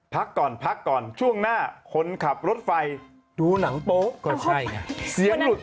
ผ่านคอนพักก่อนช่วงหน้าคนขับรถไฟดูหนังโป๊กแหมากว่าใช่เสียงเหรอ